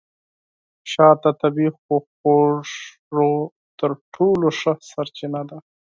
شات د طبیعي خوږو تر ټولو ښه سرچینه ده.